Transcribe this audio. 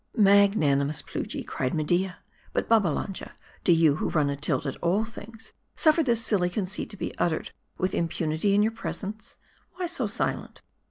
" Magnanimous Plujii !" cried Media. " But, Babbalan ja, do you, who run a tilt at all Ihings, suffer this silly con ceit to be uttered with impunity in your presence ? Why so silent